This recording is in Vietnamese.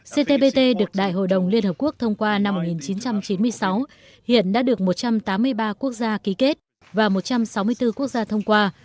ctpt được đại hội đồng liên hợp quốc thông qua năm một nghìn chín trăm chín mươi sáu hiện đã được một trăm tám mươi ba quốc gia ký kết và một trăm sáu mươi bốn quốc gia thông qua